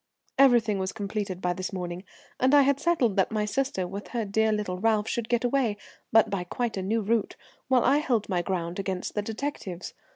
"Everything was completed by this morning, and I had settled that my sister, with her dear little Ralph, should get away, but by quite a new route, while I held my ground against the detectives.